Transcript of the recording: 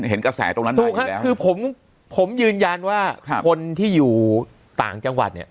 เห็นกระแสตรงนั้นมาอยู่แล้วคือผมผมยืนยันว่าคนที่อยู่ต่างจังหวัดเนี่ย